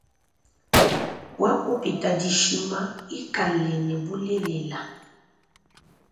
Wakupita dishima ikala ne bulela.